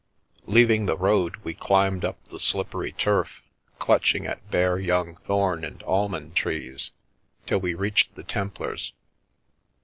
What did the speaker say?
Leaving the road, we climbed up the slippery turf, clutching at bare young thorn and almond trees, till we reached the Templars'.